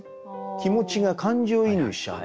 気持ちが感情移入しちゃうんで。